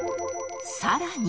さらに